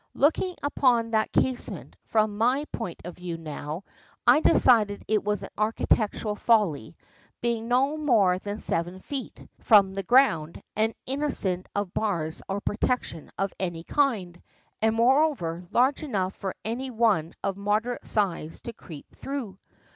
Looking upon that casement from my point of view now, I decide it was an architectural folly, being no more than seven feet from the ground, and innocent of bars or protection of any kind, and moreover large enough for any one of moderate size to creep through.